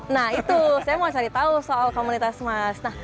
nah itu saya mau cari tahu soal komunitas mas